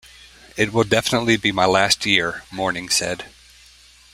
"It will definitely be my last year", Mourning said.